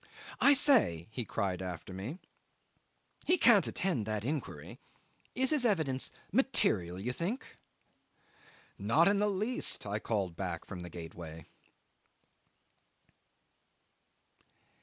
"I say," he cried after me; "he can't attend that inquiry. Is his evidence material, you think?" '"Not in the least," I called back from the gateway.